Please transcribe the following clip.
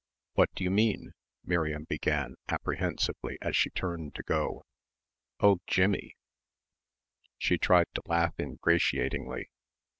"What do you mean?" Miriam began apprehensively as she turned to go. "Oh, Jimmie " she tried to laugh ingratiatingly.